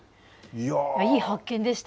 いい発見でした。